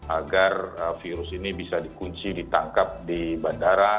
agar virus ini bisa dikunci ditangkap di bandara